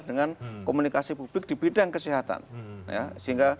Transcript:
dengan komunikasi publik di bidang kesehatan